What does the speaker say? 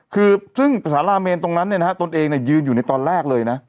คือซึ่งสาราเมนตรงนั้นเนี่ยนะฮะตนเองยืนอยู่ในตอนแรกเลยนะ